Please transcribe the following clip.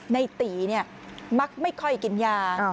ในตีมักไม่ค่อยกินยา